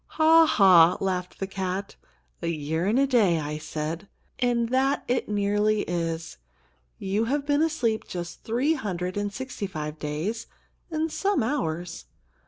"Ha, ha!" laughed the cat. "A year and a day, I said, and that it nearly is. You have been asleep just three hundred and sixty five days and some hours."